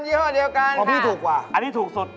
ของพี่ถูกกว่าอันนี้ถูกสด